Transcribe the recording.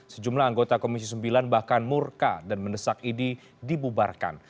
sejumlah anggota komisi sembilan bahkan murka dan mendesak idi dibubarkan